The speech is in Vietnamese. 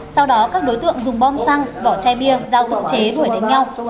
sau đó các đối tượng dùng bom xăng vỏ chai bia dao tự chế đuổi đánh nhau